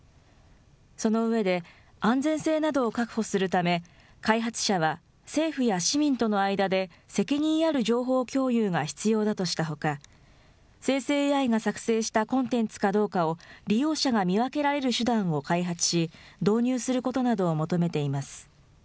その上で、安全性などを確保するため、開発者は政府や市民との間で責任ある情報共有が必要だとしたほか、生成ＡＩが作成したコンテンツかどうかを利用者が見分けられる手段を開発し、導入することなどを求めています。